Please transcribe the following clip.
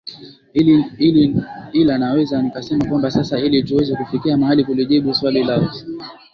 ila naweza nikasema kwamba sasa ili tuweza kufikia mahala kulijibu swali lako vizuri